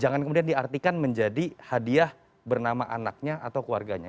jangan kemudian diartikan menjadi hadiah bernama anaknya atau keluarganya